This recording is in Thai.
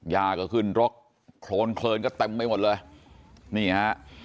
ยาก็ขึ้นรกโครนโครนก็เต็มไปหมดเลยนี่ฮะ